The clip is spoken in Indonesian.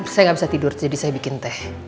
saya nggak bisa tidur jadi saya bikin teh